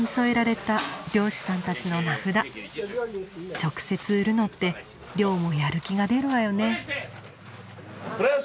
直接売るのって漁もやる気が出るわよね。